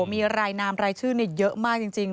มีรายนามรายชื่อเยอะมากจริง